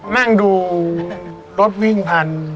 นั่งดูรถวิ่งพัน